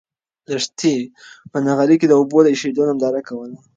لښتې په نغري کې د اوبو د اېشېدو ننداره کوله.